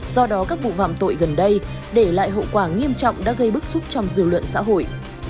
do đó các vụ phạm tội gần đây để lại hậu quả nghiêm trọng đã gây bức xúc trong dư luận xã hội